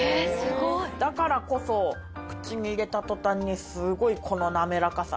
だからこそ口に入れた途端にすごいこの滑らかさ。